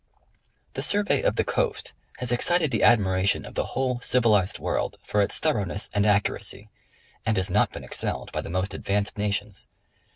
The Survey of the Coast has excited the admiration of the whole civilized world for its thoroughness and accuracy, and has not been excelled by the most advanced nations.